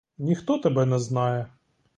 Ніхто тебе не знає.